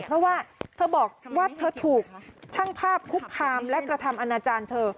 เพราะว่าเธอบอกว่าเธอถูกช่างภาพคุกคามและกระทำอนาจารย์เธอ